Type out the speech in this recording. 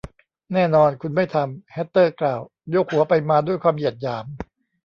แน่นอน คุณไม่ทำ แฮทเทอร์ กล่าว โยกหัวไปมาด้วยความเหยียดหยาม